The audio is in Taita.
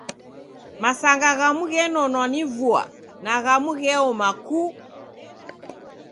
Masanga ghamu ghenonwa ni vua na ghamu gheoma kuu!